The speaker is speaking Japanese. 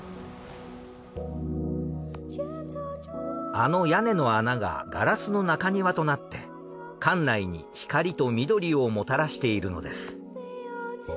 あの屋根の穴がガラスの中庭となって館内に光と緑をもたらしているのです。